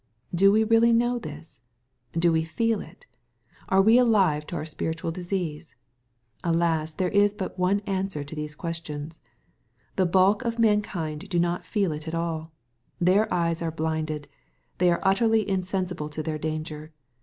Do we really know this ? Do we feel it ? Are we alive to our spiritual disease ? Alas I there is but one answer to these questions. The bulk of mankind do not feel it at all. Their eyes are blinded. They are utterly insensible to their danger.